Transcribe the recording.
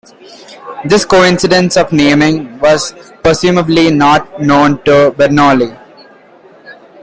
This coincidence of naming was presumably not known to Bernoulli.